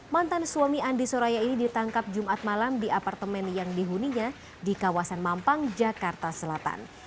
mantan suami andi soraya ini ditangkap jumat malam di apartemen yang dihuninya di kawasan mampang jakarta selatan